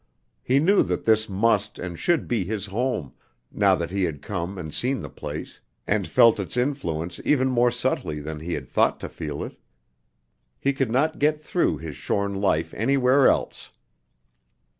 He knew that this must and should be his home, now that he had come and seen the place and felt its influence even more subtly than he had thought to feel it. He could not get through his shorn life anywhere else.